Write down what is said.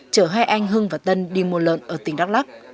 chở hai anh hưng và tân đi mua lợn ở tỉnh đắk lắc